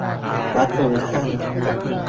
พระคุณท่าน